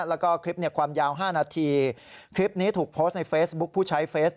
แล้วก็คลิปเนี่ยความยาว๕นาทีคลิปนี้ถูกโพสต์ในเฟซบุ๊คผู้ใช้เฟส